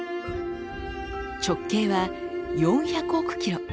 直径は４００億ｋｍ。